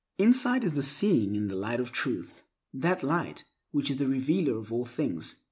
Insight is seeing in the Light of Truth, that Light which is the revealer of all things.